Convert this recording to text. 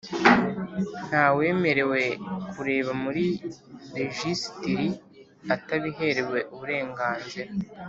Nta wemerewe kureba muri rejisitiri atabiherewe uburenganzira.